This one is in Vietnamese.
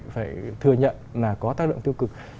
phải thừa nhận là có tác động tiêu cực